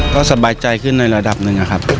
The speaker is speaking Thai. ก็สบายใจขึ้นในระดับหนึ่งนะครับ